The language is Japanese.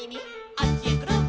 「あっちへくるん」